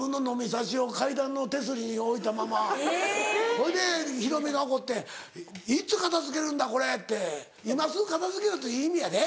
それでヒロミが怒って「いつ片付けるんだこれ！」って今すぐ片付けろという意味やで。